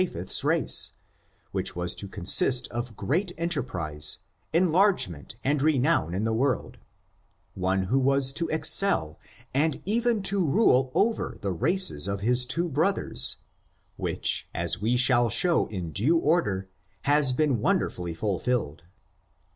43 tones of Japheth's race, which was to consist of great enterprise, enlargment and renown in the world; one / who was to excel, and even to rule over the races of his two brothers; which as we shall show in due or der, has been wonderfully fulfilled.